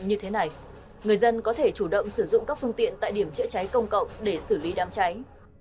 như thế này người dân có thể chủ động sử dụng các phương tiện tại điểm chữa cháy công cộng để xử lý đám cháy